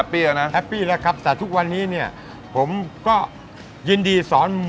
ปีแล้วนะแฮปปี้แล้วครับแต่ทุกวันนี้เนี่ยผมก็ยินดีสอน